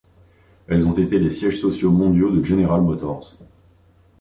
Elles ont été les sièges sociaux mondiaux de General Motors.